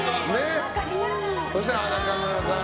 そして、中村さん。